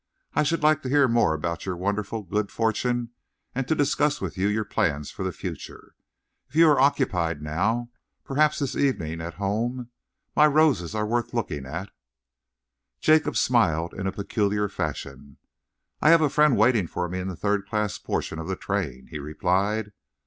I should like to hear more about your wonderful good fortune and to discuss with you your plans for the future. If you are occupied now, perhaps this evening at home. My roses are worth looking at." Jacob smiled in a peculiar fashion. "I have a friend waiting for me in the third class portion of the train," he replied.